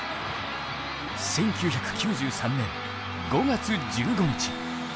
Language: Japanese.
１９９３年５月１５日。